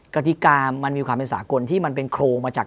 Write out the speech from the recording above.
กติกามันมีความเป็นสากลที่มันเป็นโครงมาจาก